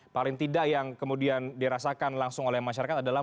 paling tidak yang kemudian dirasakan langsung oleh masyarakat adalah